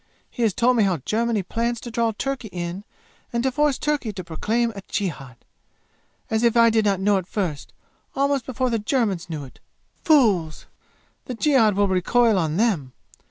He has told me how Germany plans to draw Turkey in and to force Turkey to proclaim a jihad. As if I did not know it first, almost before the Germans knew it! Fools! The jihad will recoil on them!